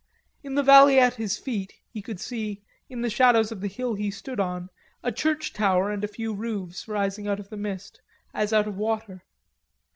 In the valley at his feet he could see, in the shadow of the hill he stood on, a church tower and a few roofs rising out of the mist, as out of water.